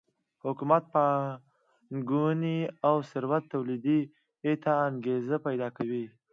حکومت پانګونې او ثروت تولید ته انګېزه پیدا کوي.